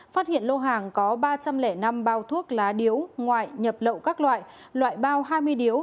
phát hiện lô hàng có ba trăm linh năm bao thuốc lá điếu ngoại nhập lậu các loại loại bao hai mươi điếu